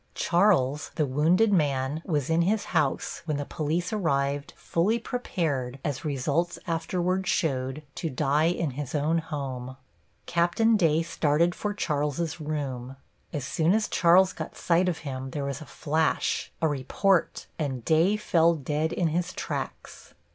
Charles, the wounded man, was in his house when the police arrived, fully prepared, as results afterward showed, to die in his own home. Capt. Day started for Charles's room. As soon as Charles got sight of him there was a flash, a report, and Day fell dead in his tracks.